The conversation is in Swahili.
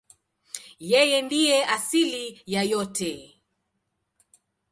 Yeye ndiye asili ya yote.